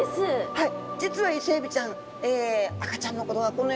はい。